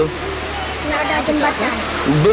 nggak ada jembatan